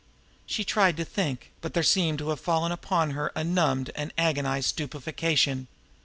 She tried to think, but there seemed to have fallen upon her a numbed and agonized stupefaction.